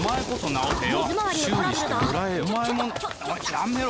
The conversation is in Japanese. やめろ！